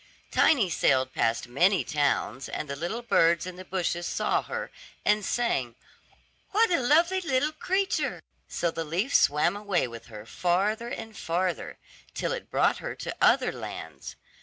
Tiny sailed past many towns, and the little birds in the bushes saw her, and sang, "What a lovely little creature;" so the leaf swam away with her farther and farther, till it brought her to other lands.